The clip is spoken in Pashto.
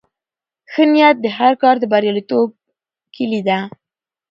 ښه نیت د هر کار د بریالیتوب کیلي ده.